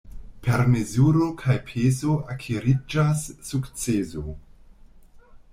Per mezuro kaj peso akiriĝas sukceso.